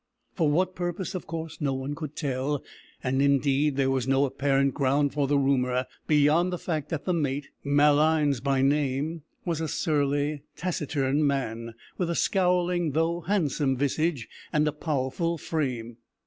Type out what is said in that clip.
For what purpose, of course, no one could tell, and, indeed, there was no apparent ground for the rumour, beyond the fact that the mate Malines by name was a surly, taciturn man, with a scowling, though handsome, visage, and a powerful frame.